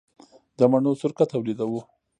د مڼو سرکه تولیدوو؟